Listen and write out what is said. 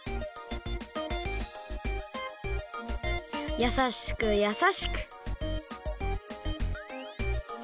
やさしくやさしく。